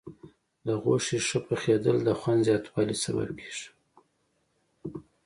د غوښې ښه پخېدل د خوند زیاتوالي سبب کېږي.